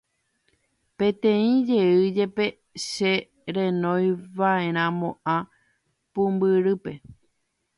peteĩ jey jepe che renoiva'eramo'ã pumbyrýpe